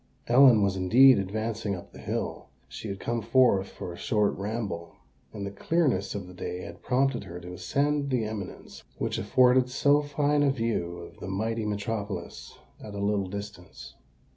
Ellen was indeed advancing up the hill. She had come forth for a short ramble; and the clearness of the day had prompted her to ascend the eminence which afforded so fine a view of the mighty metropolis at a little distance.